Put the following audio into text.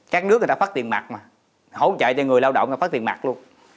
các nước đã phát tiền mặt mà hỗ trợ cho người lao động và phát tiền mặt luôn